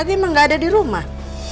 tidak ada di rumah